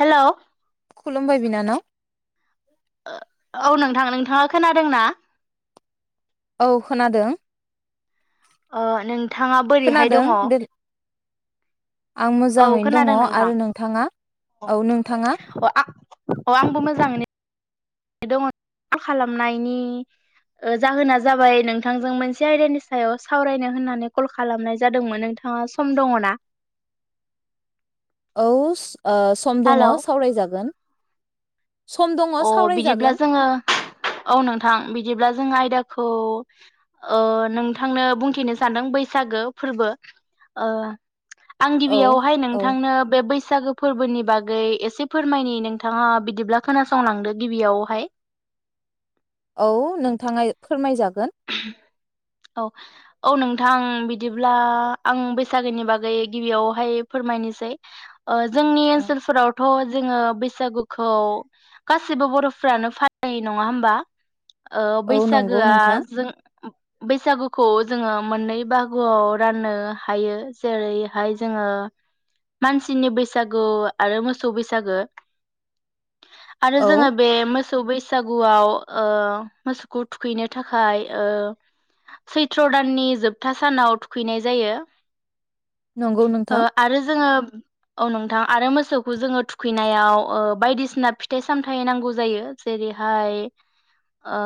Hello खुलुमबाय बिनानाव ओ औ नोंथां नोंथाङा खोनादोंना औ खोनादों ओ नोंथाङा बोरैहाय खोनादों दङ आं मोजाङैनो दङ खोनादों नोंथां आरो नोंथाङा औ नोंथाङा अ आ अ आंबो मोजाङैनो दङ खालामनायनि ओ जाहोना जाबाय नोंथांजों मोनसे आयदानि सायाव सावरायनो होननानै कल खालामनाय जादोंमोन नोंथाङा सम दङ ना औस ओ सम दङ हेलौ सावरायजागोन सम दङ अ बिदिब्ला सावरायजागोन जोङो औ नोंथां बिदिब्ला जों आयदा खौ ओ नोंथांनो बुंथिनो सानदों बैसागो फोरबो ओ आं औ गिबियावहाय औ नोंथांनो बे बैसा बैसागो फोरबोनि बागै एसे फोरमायनि नोंथाङा बिदिब्ला खोनासंलांदो गिबियावहाय औ नोंथाङा ए फोरमायजा [unintelligible] अ औ नोंथां बिदिब्ला आं बैसागोनि बागै गिबियावहाय फोरमायनोसै जोंनि औ ओनसोलफोरावथ जोङो बैसागुखौ गासिबो बरफ्रानो फालियो नङा होमबा ओ औ नंगौ बैसागोआ नोंथां बैसागुखौ जोङो मोननै बाहागोआव राननो हायो जेरैहाय जोङो मानसिनि बैसागु आरो मोसौ बैसागो आरो औ जोङो बे मोसौ मोसौ बैसागुआव ओ मोसौखौ थुखैनो थाख थाखाय ओ सैथ्र दाननि जोबथा सानाव थुखैनाय जायो नंगौ नोंथां ओ आरो जोङो औ नोंथां आरो मोसौखौ जोङो थुखैनायाव ओ बायदिसिना फिथाइ सामथाय नांगौ जायो जेरैहाय ओ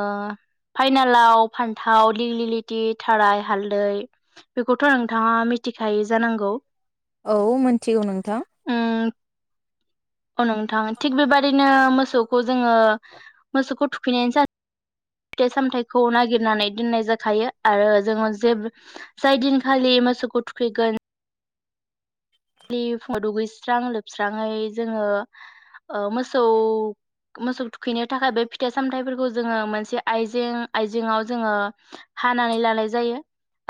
फाइनालाव फान्थाव लिगलिलिटि थाराय हालदै बेखौथ नोंथाङा मिथिखायो जानांगौ औ मोनथिगौ नोंथां उम अ नोंथां थिग बेबादिनो मोसौखौ जोङो मोसौखौ थुखैनायाननि सा फिथाइ सामथायाइखौ नागिरनानै दोननाय जाखायो आरो जोङो जे जाय दिनखालि मोसौखौ थुखैगोन खालि फुङाव दुगैस्रां लोबस्राङै जोङो ओ मोसौ मोसौ थुखैनो थाखाय बे फिथाइ सामथाइफोरखौ जोङो मोनसे आयजें आइजेेंआव जोङो हानानै लानाय जायो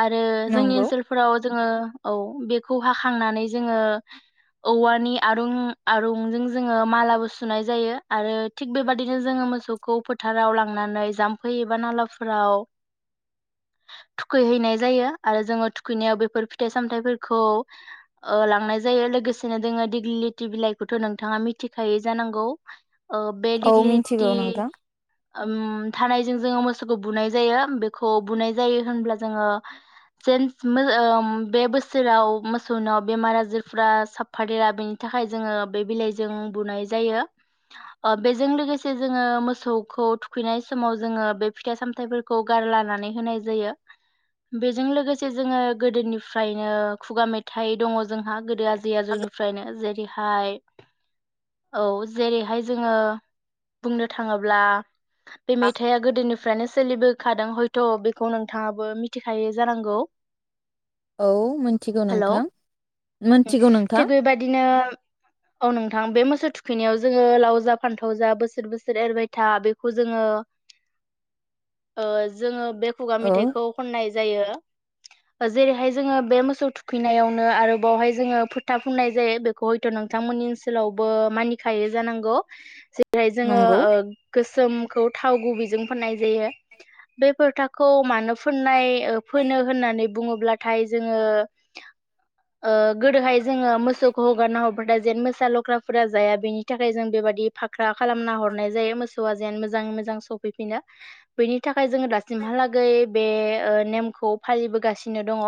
आरो जोंनि नंगौ ओनसोलफोराव ओ औ बेखौ हाखांनानै जोङो औवानि आरुं आरुंजों जोङो मालाबो सुनाय जायो आरो थिग बेबादिनो जोङो मोसौखौ फोथाराव लांनानै जाम्फै एबा नालाफोराव थुखैहैनाय जायो आरो जोङो थुखैनायाव बेफोर फिथाइ सामथायाइफोरखौ ओ लांनाय जायो लोगोसेनो दोङो दिग्लि लथि बिलाइखौथ नोंथाङा मिथिखागौ जानांगौ आ औ मिथिगौ बेलिगलिथि नोंथां उम थारायजों जोङो मोसौखौ बुनाय जायो बेखौ बुनाय जायो होनब्ला जोङो जेन्स [unintelligible] बे बोसोराव मो मोसौनाव बेमार आजारफ्रा साफादेरा बेनि थाखाय जोङो बे बिलाइजों बुनाय जायो ओ बेजों लोगोसे जोङो मोसौखौ थुखैनाय समाव जोङो बे फिथाइ सामथाइफोरखौ गारलानानै होनाय जायो बेजों लोगोसे जोङो गोदोनिफ्रायनो खुगा मेथ थाय दङ जोंहा गोदो आज जिया जौनिफ्रायनो जेरैह हाय औ जेरैहाय जोङो बुंनो थाङोब्ला बे मेथाइया गोदोनि फ्रायनो सोलिबोखादों हयथ बेखौ नोंथाङाबो मिथिखायो जानांगौ औ मोन हेलौ नोंथां थिग बेबायदिनो औ नोंथां बे मोसौ थुखैनायाव जोङो लाव जा फान्थाव जा बोसोर बोसोर एरबाय था बेखौ जोङो ओ जोङो बे खुगा औ मेथाइखौ खननाय जायो जेरैहाय जोङो बे मोसौ थु फैनायावनो आरो बावहाय जोङो फोथा फुननाय जायो बेखौ हयथ नोंथांमोननि ओनसोलावबो मानिखायो जानांगौ [unintelligible] जोङो नंगौ ओ गोस सोमखौ थाव गुबैजों फोननाय जायो बे फोथाखौ मानो फुननाय ओ फोनो होननानै बुङोब्लाथाय जोङो औ गोदोहाय जोङो मोसौ हगारना हरबाथाय जेन मोसा लख्राफोरा जाया बेनि थाखाय जों बेबायाददि फाख्रि [unintelligible] खालामना हरनाय जायो मोसौ [unintelligible] मोजाङै मोजां सफैफिनो बेनि थाखाय ओमफ्राय जोङो दासिमहालागै बे ओ नेमखौ फालिबोगासिनो दङ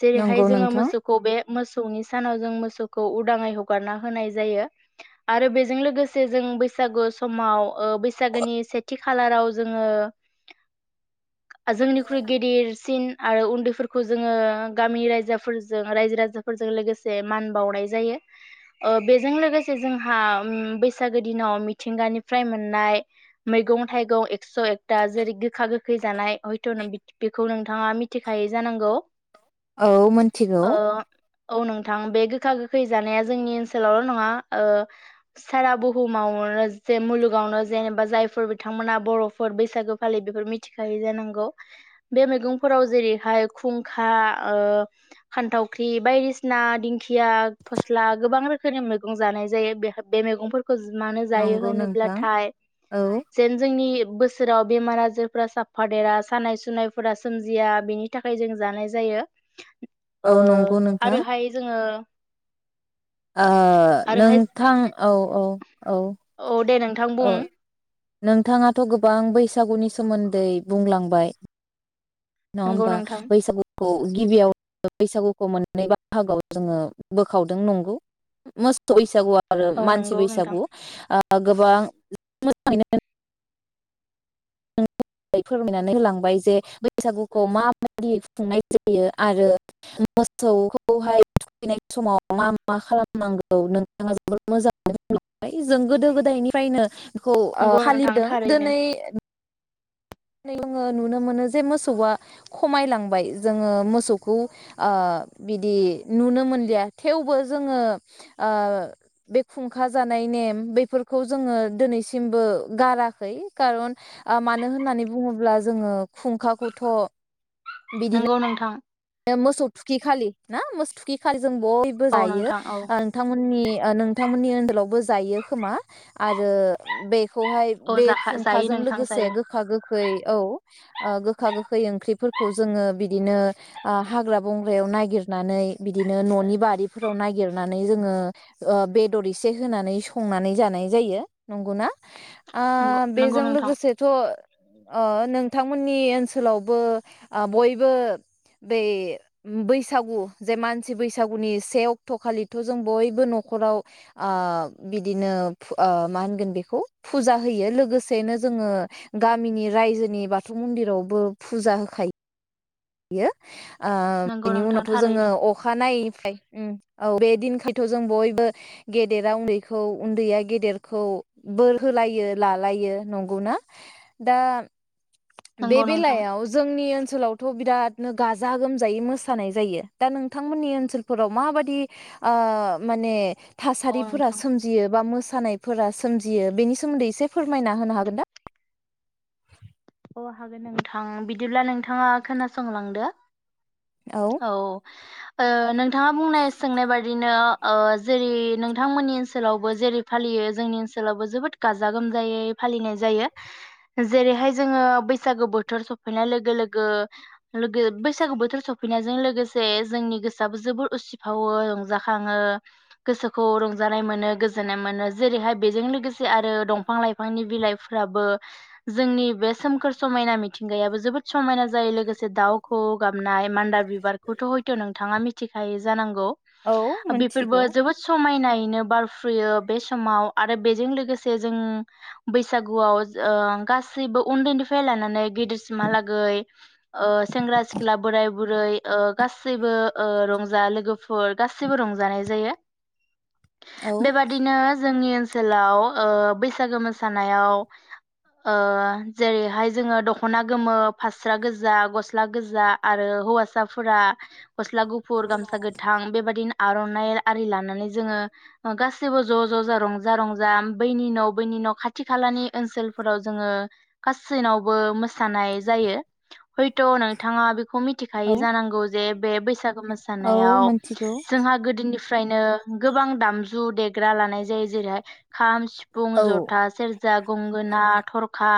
जेरैहाय नंगौ जोङो नोंथां मोसौखौ बे मोसौनि सानाव जों मोसौखौ उदाङै हगारना होनाय जायो आरो बेजों लोगोसे जों बैसागु समाव अ बैसागोनि सेथि खालाराव जोङो जोंनिख्रुइ गिदिरसिन आरो उन्दैफोरखौ जोङो गामि रायजाफोरजों रायजो राजाफोरजों लोगोसे मान बावनाय जायो ओ बेजों लोगोसे जोंहा उम बैसागो दिनाव मिथिंगानिफ्राय मोननाय मैगं थाइगं एक्स एकता दा जेरै गोखा गोखै जानाय हयथ नों बेखौ नोंथां नोंथाङा मिथिखायै जानांगौ औ मोनथिगौ ओ औ नोंथां बे गोखा गोखै जानाया जोंनि ओनसोलावल नङा औ सारा बुहुमावनो जे मुलुगावनो जेनेबा जायफोर बिथांमोना बरफोर बैसागो फालि बेफोर मिथिखायै जानांगौ बे मैगंफोराव जेरैहाय खुंखा ओ खान्थावख्रि बायदिसिना दिंखिया फस्ला गोबां रोखोमनि मैगं जानाय जायो बे बे मैगंफोरखौ मानो जायो नंगौ नोंथां होनोब्लाथाय औ जेन जोंनि बोसोराव बेमार आजारफोरा साफा देरा सानाय सुनायफोरा सोमजिया बेनि थाखाय जों जानाय जायो ओ औ नंगौ नोंथां आरोहाय जोङो ओ आरोहाय नोंथां औ औ औ थां औ बुं नोंथाङाथ गोबां बैसागुनि सोमोन्दै बुंलांबाय नडा़ नंगौ होनबा नोंथां बैसागु औ गिबियावनो बैसागुखौ मोननै बाहागोआव जोङो बोखावदों नंगौ [unintelligible] बैसागुआ आरो औ मानसि नंगौ नोंथां बैसागु ओ गोबां [unintelligible] [unintelligible] फोरमायनानै होलांबाय जे बैसागुखौ मा मायदि खुंनाय जायो आरो मोसौखौहाय थुखैनाय समाव मा मा खालामनांगौ नोंथाङा जोबोद मोजां बुंलांबाय जों गोदो गोदायनिफ्रायनो खौ ओ नंगौ नोंथां फालिदों थारैनो दिनै जोङो नुनो मोनो जे मोसौआ खमायलांबाय जोङो मोसौखौ ओ बिदि नुनो मोनलिया थेवबो जोङो ओ बे खुंखा जानाय नेम बेफोरखौ जोङो दिनैसिमबो गाराखै खारन मानो होननानै बुङोब्ला जोङो खुंखाखौथ बिदिनो नंगौ नोंथां मोसौ थुखि खालि ना मो थुखि खालि जों बयबो औ जायो नोंथां औ नोंथा‌मोननि ओ नोंथांमोननि ओनसोलावबो जायो खोमा आरो बेखौहाय औ बे जाखा जायो खुंखाजों नोंथां लोगोसे जायो गोखा गोखै औ ओ गोखा गोखै ओंख्रिफोरखौ जोङो बिदिनो ओ हाग्रा बंग्रायाव नागिरनानै बिदिनो ननि बारिफोराव नागिरनानै जोङो ओ बेदर एसे होनानै संनानै जानाय जायो नंगौना ओ नंगौ नंगौ बेजों नोंथां लोगोसेथ ओ नोंथांमोननि ओनसोलावबो आ बयबो बे बैसागु जे मानसि बैसागुनि से अक्ट खालिथ जों बयबो नखराव ओ बिदिनो ओ मा होनगोन बेखौ फुजा होयो लोगोसेनो जोङो गामिनि रायजोनि बाथौ मन्दिरावबो फुजा होखायो बियो ओ नंगौ बिनि नोंथां उनावथ जोङो थारैनो अखानायैनफ्राय ओम औ बे दिनखायथ जों बयबो गेदेरा उन्दैखौ उन्दैया गेदेरखौ बोर होलायो लालायो नंगौना दा बे नंगौ नोंथां बेलायाव जोंनि ओनसोलाव थ बिरादनो गाजा गोमजायै मोसानाय जायो दा नोंथांमोननि ओनसोलफोराव माबादि ओ माने औ थासारिफोरा नोंथां सोमजियो बा मोसानाय फोरा सोमजियो बेनि सोमोन्दै एसे फोरमायना होनो हागोन दा अ हागोन नोंथां बिदिब्ला नोंथाङा खोनासंलांदो औ ओ नोंथाङा बुंनाय सोंनाय बादिनो ओ जेरै नोंथांमोननि ओनसोलावबो जेरै फालियो जोंनि ओनसोलावबो जोबोद गाजा गोमजायै फालिनाय जायो जेरैहाय जोङो बैसागु बोथोर सफैनाय लोगो लोगो लोगो बैसागु बोथोर सफैनायजों लोगोसे जोंनि गोसोबो जोबोर उसिफावो रंजाखाङो गोसोखौ रंजानाय मोनो गोजोननाय मोनो जेरैहाय बेजों लोगोसे आरो दंफां लाइफांनि बिलाइफोराबो जोंनि बे सोमखोर समायना मिथिंगायाबो जोबोद समायना जायो लोगोसे दाउ खौवौ गाब नाय मान्दार बिबारखौथ हयथ नोंथाङा मिथिखायो जानांगौ औ बेफोरबो मिथिगौ जोबोद समायनायै नो बारफ्रुयो बे समाव आरो बेजों लोगोसे जों बैसागु गुआव जो ओ गासै सैबो उन्दैनिफ्राय लानानै गिदिरसिमहालागै ओ सेंग्रा सिख्ला बोराय बुरै ओ गासैबो ओ रंजा लोगोफोर गासैबो रंजानाय जायो औ बेबादिनो जोंनि ओनसोलाव ओ बैसागो मोसानायाव ओ जेरैहाय जोङो दखना गोमो फास्रा गोजा गस्ला गोजा आरो हौवासाफोरा गस्ला गुफुर गामसा गोथां बेबादिनो आरनाइ आरि लानानै जोङो गासैबो ज ज ज रंजा रंजा बैनि न बैनि न खाथि खालानि ओनसोलफोराव जोङो गासैनावबो मोसानाय जायो हयथ नोंथाङा बेखौ मिथिखायो जानांगौ जे बे बैसाग औ मोसानायाव मिथिगौ जोंहा गोदोनिफ्राय फ्रायनो गोबां दामजु देग ग्रा लानाय जायो जेरैहाय खाम सिफुं औ जथा सेरजा गंगोना थरखा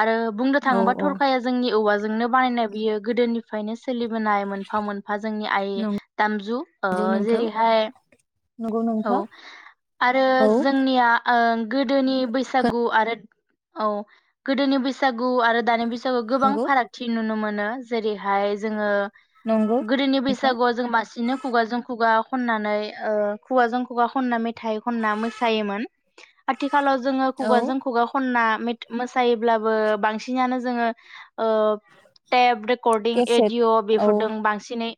आरो बुंनो थाङोब्ला औ थरखाया जोंनि औवाजों नो बानायनाय बियो गोदोनिफायनो सोलिबोनाय मोनफा मोनफा जोंनि आइ दामजु ओ नंगौ नोंथां जेरैहाय नंगौ औ नोंथां आरो औ जोंनिया ओ गोदोनि बैसागु आरो औ गोदोनि बैसागु आरो दानि बैसा थेवबो गोबां नंगौ फारागथि नुनो मोनो मोनो जेरैहाय जोङो नंगौ गोदोनि नोंथां बैसागुआव जों मासिनो खुगाजों खुगा खननानै ओ खुगाजों खुगा खनना मेथा मेथाइ खनना मोसायोमोन आथिखालाव जोङो खुगाजों खुगा खनना मेथ मोस सायोब्लाबो बांसिनानो जोङो ओ टेप रेकर्डिं केसेट एडिअ औ बेफोरदों बांसिनै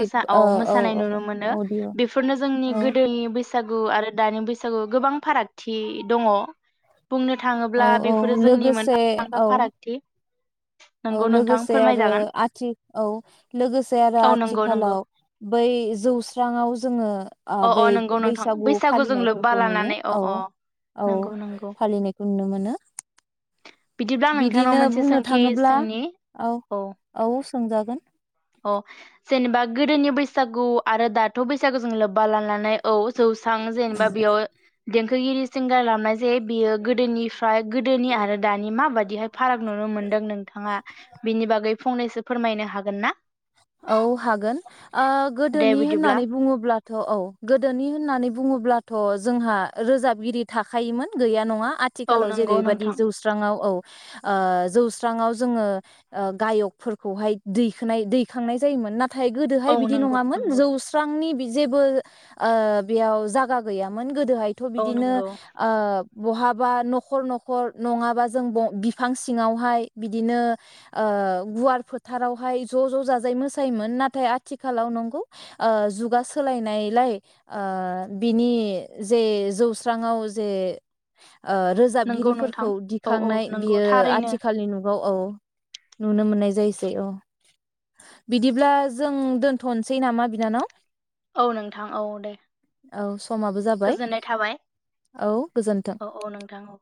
मोसा औ मोसानाय नुनो मोनो अडिअ' बेफोरनो जोंनि औ गोदोनि बैसा बैसागु आरो दानि बैसागु गोबां फारागथि दङ बुंनो औ थाङोब्ला औ बेफोरो जोंनि मोनफा लोगोसे मोनफा औ फारागथि औ नंगौ नोंथां लोगोसे आरो फोरमायजागोन आथि औ लोगोसे आरो औ नंगौ नंगौ आथिखालाव बै जौस्रांआव जोङो अ अ बै नंगौ नोंथां बैसागु बैसागुजों लोब्बा फालिनायफोरखौ नुयो लानानै अ औ अ औ नंगौ नंगौ फालिनायखौ नुनो मोनो बिदिब्ला आं नोंथांनाव बिदिनो मोनसे बुंनो सोंथि थाङोब्ला सोंनि औ औ सोंजागोन औ जेनेबा गोदोनि बैसागु आरो दाथ बैसागुजों लोब्बा लानानै औ जौस्रां उम जेनेबा बेयाव रियेल सिंगार लानायजों बियो गोदोनिफ्राय गो गोदोनि आरो दानि मा बायदिहाय फाराग नुनो मोन्दों नोंथाङा बिनि बागै फंनैसो फोरमायनो हागोन ना औ हागोन ओ दे गोदोनि बिदिब्ला होननानै बुङोब्लाथ औ गोदोनि होननानै बुङोब्ला थ जोंहा रोजाबगिरि थाखोमोन गैया नङा औ आथिखालाव नंगौ जेरैबादि नोंथां जौस्रांआव औ ओ जौस्रांआव जोङो गायकफोरखौहाय दैखोनाय दै खांनाय जायोमोन ना थाय औ गोदोहाय बिदि नंगौ नङामोन नंगौ जौस्रांनि बि जेबो ओ बेयाव जागा गैयामोन गोदो दोहायथ औ बिदिनो नंगौ आ बहाबा नखर नखर नङाबा जों ब बिफां सिङावहाय बिदिनो ओ गुवार फोथारावहाय ज ज जा जाय मोसायोमोन नाथाय आथिखालाव नंगौ ओ जुगा सोलायनायलाय ओ बिनि जे जौस्राङाव जे ओ नंगौ नोंथां रोजाबगिरिफोरखौ औ औ दिखांनाय नंगौ बियो थारैनो आथिखालनि नु औ औ नुनो मोननाय जायोसै औ बिदिब्ला जों दोनथनोसै नामा बिनानाव औ नोंथां औ दे औ समाबो जाबाय गोजोननाय थाबाय औ गोजोन्थों औ औ नोंथां औ।